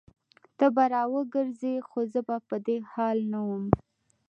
ته به راوګرځي خو زه به په دې حال نه وم